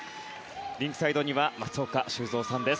リンクサイドには松岡修造さんです。